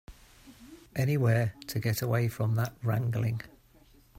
Anywhere to get away from that wrangling.